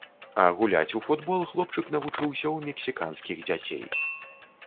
А гуляць у футбол хлопчык навучыўся ў мексіканскіх дзяцей.